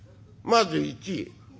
「まず１。